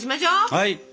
はい。